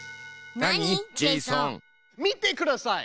見てください。